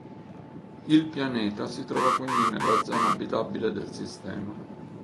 Il pianeta si trova quindi nella zona abitabile del sistema.